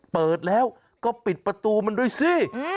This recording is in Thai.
เปิดแล้วก็ปิดประตูมันด้วยสิ